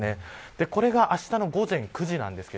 これが、あしたの午前９時です。